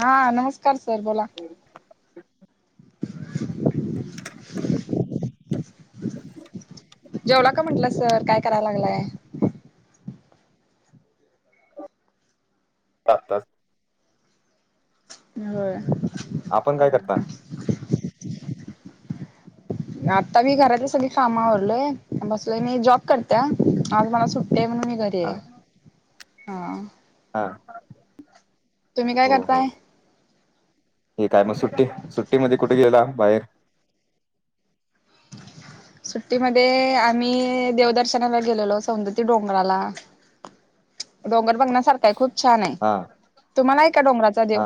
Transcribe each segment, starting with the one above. हा. नमस्कार सर बोला. [inaudible] जेवला का? म्हटलं सर काय कराय लागलाय? आताच होय. आपण काय करता? आता मी घरात सगळी कामावरलोय, बसलोय मी जॉग करत्या. आज मला सुट्टी हाय म्हणून मी घरी हा याय हां. हा तुम्ही काय हो हो. करताय ठीक हाय. म सुट्टी सुट्टीमध्ये कुठे गेला बाहेर? सुट्टीमध्येध्ये आम्ही देवदर्शनाला गेलेलो सौंदती डोंगराला. डोंगर बघण्यासारखा आहे. खूप छान आहे हा तुम्हाला आहे का डोंगराचा देव? हा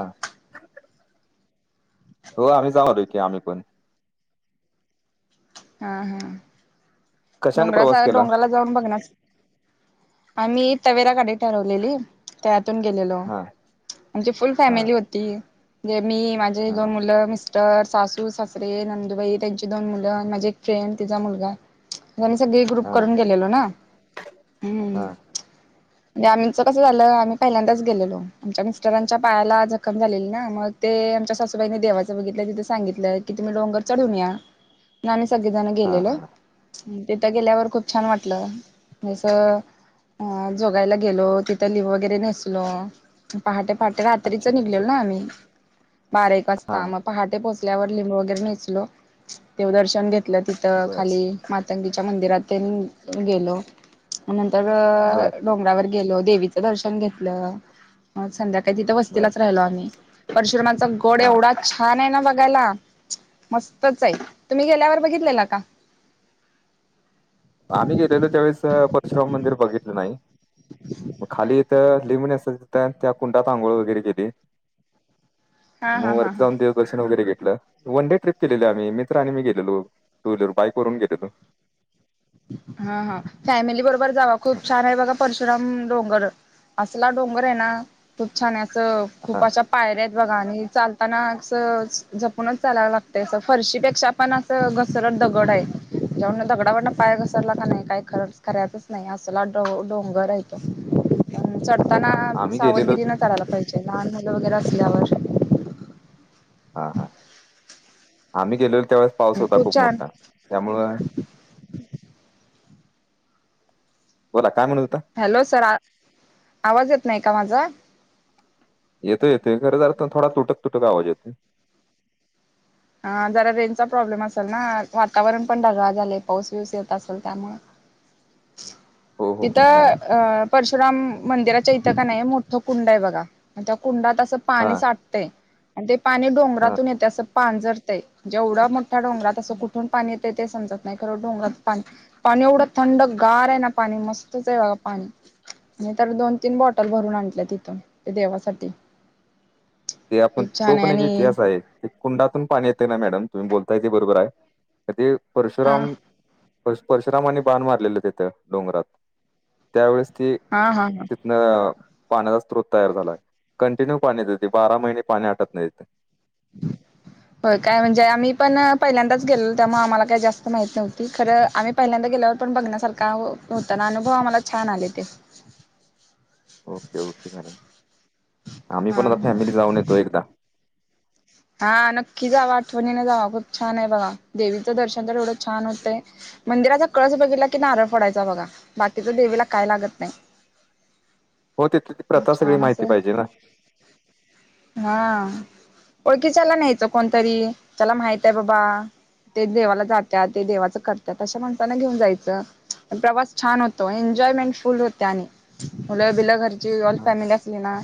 हो आम्ही जाऊन आलोय की आम्ही पण हा हा. कशाने प्रवास डोंगराचा केला डोंगराला जाउन बगण्या सारख आम्ही तवेरा गाडी ठरवलेली. त्यातून गेलेलो. हा म्हणची फुल हा फॅमिली होती जे मी माझ हा दोन मुलं, मिस्टर, सासू, ससरे नंदुबाई, त्यांची दोन मुलं जी एक फ्रेंड, तिचा मुलगा सगळी ग्रुप हा करून गेलेलो. ना हम्. हा म्हंनजे आमचं कसं झालं. आम्ही पहिल्यांदाच गेलोलो. आमच्या मिस्टरांच्या पायाला जखम झालेली ना मग ते आमच्या सासूबाईंनी देवाचं बघितलं तिथं सांगितलं कि तुमी डोंगर चडून या. नुन अमी सगळेजण हा गेलेलो हा तिथं गेल्यावर खूप छान वाटलं. आस ह जोगाइला गेलो. तिथं लिंब वगैरे नेसलो. पहाटे-पहाटे रात्रीच अच्छा निघलेलो अच्छा ना आम्ही बारा, एक हा वाजता मग पहाटे पोचल्यावर लिंब वगैरे नेसलो. देव दर्शन घेतलं. तिथं बर खाली मातंगीच्या मंदिरात तेन गेलो. नंतर बर डोंगरावर गेलो देवीचं दर्शन घेतलं. मग संध्याकाळी तिथं बर वस्तीलाच राहिलो आम्ही. परशुरामाचा गड हा एवढाच छा न आहे ना बघायला. मस्तच आहे तुम्ही गेल्यावर बघितलेला का? आम्ही गेलेलो त्यावेळेस परशुराम मंदिर बघितलं नाही. मग खाली इथं लिम नेसत्यात तित त्या कुंडात आंघोळ वगैरे केली. हा हा म हा वरती हा जाऊन देव दर्शन वगैरे घेतलं. वन डे ट्रिप केलेलं आम्ही मित्र आणि मी गेलेलो. टू व्हीलर बाईक वरून गेलेलो. हा हा फॅमिली बरोबर जावा. खूप छान आहे बघा परशुराम डोंगर. असला डोंगर आहे ना तूप छाानच खूप हा अशा पायर्या आहेत बघा आणि चालताना असं जपूनच चालायला लागतय अस फरशीपेक्षा पण असं घसरत दगड आहेत. [unintelligible] द गडावरन पाय घसरला का नाही काही खर खाऱ्याच च नाही असला डो डोंगर आहे तो. चढताना आम्ही गेलेलो सावधगिरीन चढायला पाहिजे लहान मुलं वगैरे असल्यावर हा हा आम्ही गेलेलो त्यावेेळेस पाऊस होता खूप मोठा त्यामुंळ बोला काय म्हणत होता? हॅलो सर आव आवाज येत नाही का माझा? येतोय येतोय. खर थोडा तुटक-तुटक आवाज येतोय. हा जरा रेनचा प्रॉब्लेम असेल ना वातावरण पण ढगाळा झाले पाऊस बिऊस येत असल त्यामुळे हो हो तीत हो मॅडम अ परशुराम मंदिराच्या इथं का नाही मोठं कुंड आहे बघा आणि त्या कुंडात असं हा पाणी साठतय आणि ते पाणी हा डोंगरातून येतय असं पांजरतय जेवढा मोठ्या डोंगरात असं कुठून पाणी येतय ते समजत नाही खरं डोंगरात पाणी पाणी एवढं थंड गार आहे ना पाणी मस्तच आहे बाघा पाणी. नाही तर दोन तीन बॉटल भरून आणल्या तिथून ते देवासाठी. ते आपण खूप तो छान आहे पण एक आणि इतिहास आहे ते कुंडातून पाणी येते ना मॅडम तुम्ही बोलताय ते बरोबर आहे. ते हा परशुराम पश परशुरामानी बाण मारलेलं तिथं डोंगरात त्यावेळेस ते हा हा हा. पाण्याचा स्त्रोत तयार झालाय कंटिन्यू पाणी देते, बारा महिने पाणी आटत नाहीेत. हो काय म्हणजे आम्ही पण पहिल्यांदाच गेलो त्यामुळे आम्हाला काही जास्त माहित नव्हती खरं आम्ही पहिल्यांदा गेल्यावर पण बघण्यासारखा होता ना अनुभव आम्हाला छान आले ते. ओके ओके मॅडम आम्ही हा पण आता हा. फॅमिली जाऊन येतो एकदा. हा नक्की जाव आठवणीने जाव खूप छान आहे बघा देवीचं दर्शन तर एवढं छान होतंय. मंदिराचा कळस बघितला की नारळ फोडायचा बघा बाकीच देवीला काय लागत नाही. हो तिथे त प्रथा सगळी छान माहिती असं पाहिजे ना. हा. ळकीीसाला न्यायचं कोणतरी त्याला माहितय बाबा. ते देवाला जातात ते देवाचं करतात अशा माणसाना घेऊन जायचं प्रवास छान होतो एन्जॉयमेंट फुल होते आणि. मुलं बिलं घरची ऑल फॅमिली असली ना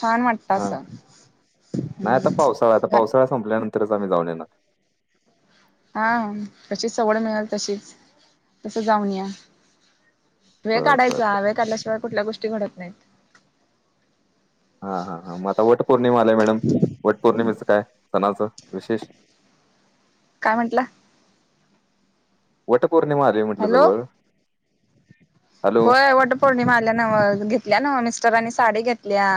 छान वाट हा आसा होय आता पावसाळा संपल्यांतरच आम्ही जाऊन येणार. हां तशीच सवड मिळेल तशीच तसं जाऊन या. वेळ बर बर काढायचा बर. वेळ काढल्याशिवाय कुठल्या गोष्टी घडत नाही. हा हा हा मग आता वट पौर्णिमा आलाय मॅडम वट पौर्णिमेचं काय सणाचं विशेष. काय म्हंटला? वटपौर्णिमा आलीय म्हंटलं हॅलो जवळ. हॅलो होय वट पौर्णिमा आल्या नव्ह घेतल्या नव्ह मिस्टरनी साडी घेतलिया.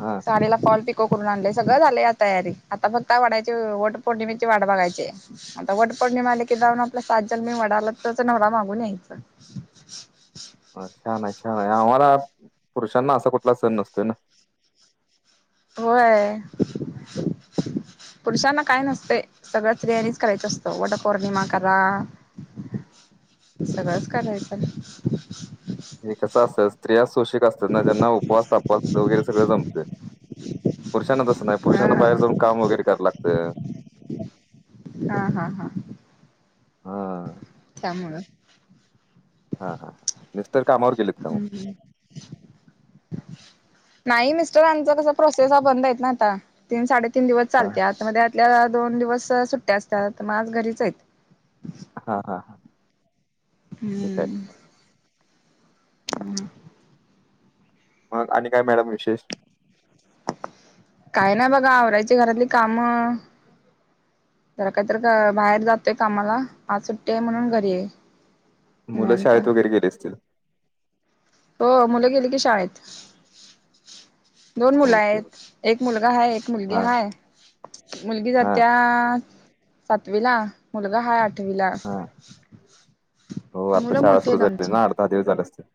हा पाडीला फॉल पिको करून आणलेय सगळं झालेय तयारी आता फक्त वाड्याची वट पौर्णिमेची वाड बघायची. आता वटपोर्णिमा आले की जाऊन आपलं सात जल्मी वडाला तोच नवरा मागून यायचं. छान आहे छान आहे आम्हाला पुरुषांना असा कुठला सण नसतोय ना. होय. पुरुषांना काय नसते सगळ्या स्त्रियांणीच करायच असतो वट पौर्णिमा करा. हा सगळंच करायचं. हे कस असतं स्त्रिया शोषिक असतात ना ज्यांना उपवास तापास वगैरे सगळं जमतय. पुरुषांना तसं नाही पुरुषांना बाहेर जाऊन काम वगैरे करां लागतं. हा हा हा हा त्यामुळं हा हा मिस्टर कामावर गेलीत का मग? हम्म नाही मिस्टर आच कस प्रोसेस बंद आहेत ना आता तीन साडे तीन दिवस हा चालते आता मध्येतल्या दोन दिवस सुट्या असतात मग आज घरीच आहेत. हा हा हा ठीक आहे. हम्म हम् मग आणि काय मॅडम विशेष. काय ना बघा आवरायची घरातली कामं जरा काहीत बाहेर जातोय कामाला आज सुट्टतेय म्हणून घरी आहे. मुलं निवांत शाळेत वगैरे गेले असतील. हो मुलं गेली की शाळेत. दोन मुलं ओके. आहेत एक मुलगा हाय, एक मुलगी हा हाय. मुलगी हा जात्या सातवी ला मुलगा हाय आठवीला. हा [inaudible] हो आत्ता मुलं शाळा मोठी सुरू आहेत झाली आमची ना आठ-दहा दिवस झाले असेल.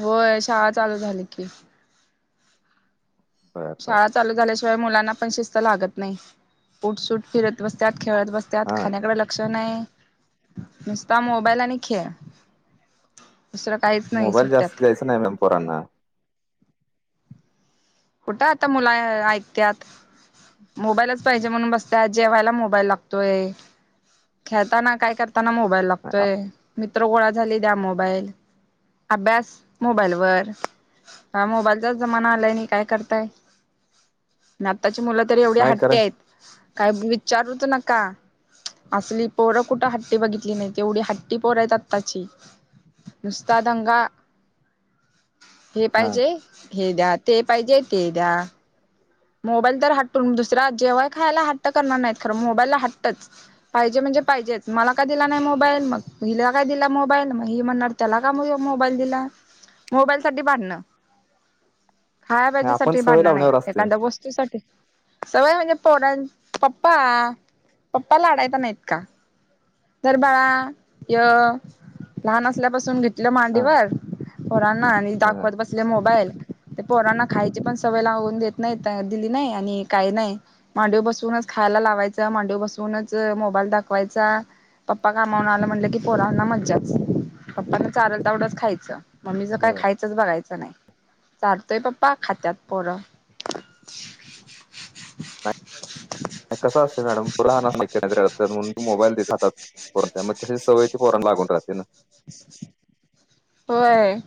होय शाळा चालू झाली की. बर बर शाळा चालू झाल्याशिवाय मुलांना पण शिस्त लागत नाही उठ-सुट फिरत बसत्यात, खेळत बसत त्यात हा खाण्याकडे लक्ष नाही, नुसता मोबाईल आणि खेळ. दुसरं काही मोबाईल जास्त जायचं नाही मग पोरांना. कुठं आता मुला ऐकतात. मोबाईलच पाहिजे म्हणून बसत्या जेवायला मोबाईल लागतोय. खेळताना काय करताना मोबाईल लागतोय मित्र गोळा झाली द्या मोबाईल. अभ्यास मोबाईल वर मोबाईलचाच जमाना आलाय नाही काय करताय आताची मुलं तरी एवढ्या नाही खरं हट्टे आहेत. कांहीच विचारूचं नका. असली पोरं कुठे हट्टी बघितली नाही तेवढी हट्टी पोर आहेत आत्ताची. नुस्ता दंगा. हे हा पाहिजे, हे द्या, ते पाहिजे, ते द्या. मोबाईल तर हटून दुसरा जेवाय खायला हट्ट करणार नाहीत खरं मोबाईलला हटच. पाहिजे म्हणजे पाहिजेच मला काय दिला नाही मोबाईल मग हिला काय दिला मोबाईल मग हे म्हणणार त्याला का म्ह मोबाईल दिला मोबाईल साठी भांडण. [inaudible] नाही, खायबाजी आपण साठी सवय भांडणं नाही लावण्यावर असते एखाद्या वस्तूसाठी सवय म्हणजे पोर, पप्पा पप्पाला अडायता नाहीत का. तर बाळा य लहान असल्यापासून घेत तलं हा मांडीवर पोरांना आणि हा दाखवत बसले मोबाईल. ते पोरांना खायची पण सवय लावून देत नाही दिली नाही आणि काही नाही. मांडव बसूनच खायला लावायचा, मांडवी बसूनच मोबाईल दाखवायचा. पप्पा कामावरून आलं म्हटलं की पोरांना मज्जाच पप्पांना चाल तेवढंच खायचं. मम्मीच काय बर खायचंच बघायचं नाही, चाढतोय पप्पा खात्यात पोरं. [inaudible] कस असते मॅडम पुराण असतात मोबाईल देत्यातत. फोरच्याग तसे सवय ते पोरण लागून राहते ना. होय.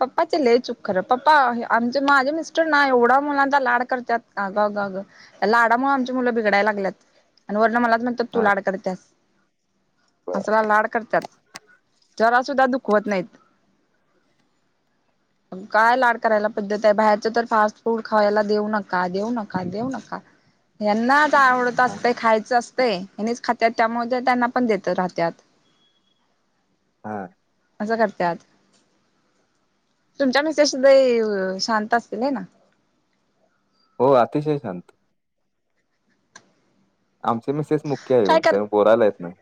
पप्पाचे लय चुक खर पप्पा आमचे माझे मिस्टर ना एवढा मुलांचा लाड करतात अगं गगं. लाडामुळे आमचे मुलं बिघडाय लागत आणि वर्ण मलाच म्हणतात तू हा लाड करतया. बर. असला लाड करतात जरा सुद्धा दुःख होत नाहीत. काय लाड करायला पद्धत आहे बाहेरच तर फास्ट फूड खावायला देऊ नका, देऊ नका, देऊ नका. यांनाच आवडत हा असते खायचं असते हेंनीच खात्याात त्यामुळे त्यांना पण देत राहत्यात. हा. असं करत्यात. तुमच्या मीसेस सुद्धा शांत असतील आहे ना. हो अतिशय शांत. आमचे मीसेस मुख्य आहे काय कर त्या बोरायला येत नाही.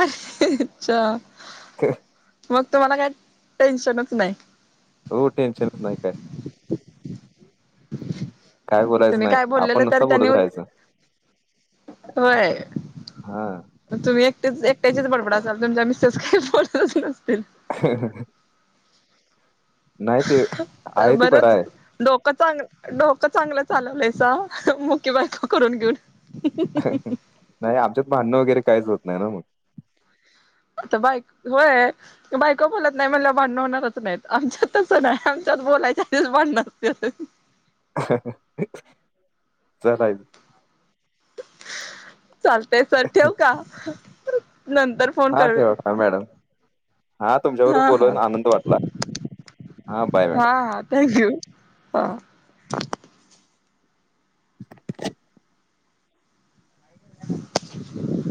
अ अच्छा! के मग तुम्हाला काही टेन्शनच नाही. हो टेन्शनच नाही काय. काय बोलायचं तुम्ही नाही काय आपण बोललेलं तर नुसता त्यांनी बोलत राहायचं होय. हा तुम्ही एकटेच एकट्याचेच बडबड असाल तुमच्या मिसेस काही पडतच नसतील ह. आहे ते बरं बरच आहे डोक. चांग डोकं चांगलं चालवलंयसा मुक बायको करून घेऊन. नाही आमच्यात भांडणं वगैरे काहीच होत नाही ना मग. आता बाई होय. बायक बोलत नाही म्हण भांड होणारच नाहीत आमच्यात तस नाही आमच्यात बोलायच्या आधीच भांडणते. चलाय चालतेय सर ठेव का नंतर. फोन हा करू ठेव ठा मॅडम. हा तुमच्यावर बोलून आनंद वाटला हा बाय मॅडम. हा थँक्यू. ह. [inaudible]